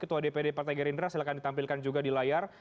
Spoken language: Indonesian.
ketua dprd partai gerindra silakan ditampilkan juga di layar